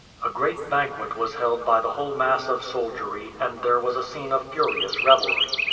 A great banquet was held by the whole mass of soldiery, and there was a scene of furious revelry.